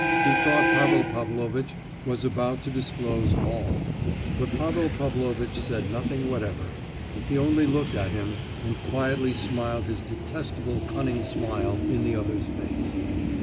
He thought Pavel Pavlovitch was about to disclose all; but Pavel Pavlovitch said nothing whatever. He only looked at him, and quietly smiled his detestable cunning smile in the other's face.